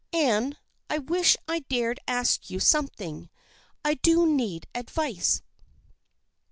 Anne, I wish I dared ask you something. I do need advice."